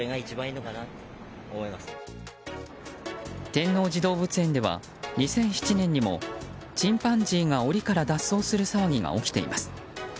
天王寺動物園では２００７年にもチンパンジーが檻から脱走する騒ぎが起きています。